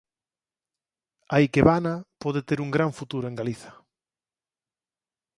'A ikebana pode ter un gran futuro en Galiza'